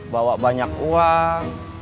bawa banyak uang